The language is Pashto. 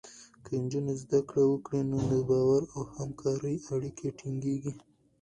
که نجونې زده کړه وکړي، نو د باور او همکارۍ اړیکې ټینګېږي.